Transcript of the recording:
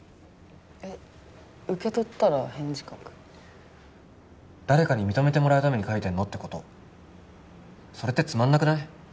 えっ受け取ったら返事書く誰かに認めてもらうためにかいてんのってことそれってつまんなくない？